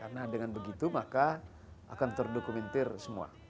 karena dengan begitu maka akan terdokumentir semua